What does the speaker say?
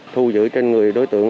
thu giữ trên người đối tượng